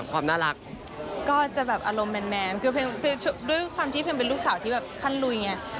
ความน่ารักก็จะมาเป็นแมนด้วยความที่เป็นลูกสาวที่คั่นลุยแบบนี้